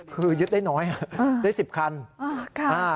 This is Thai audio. คือยึดได้น้อยได้๑๐คัน